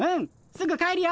すぐ帰るよ。